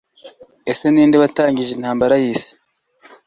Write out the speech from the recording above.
ese ninde watangije intambara yisi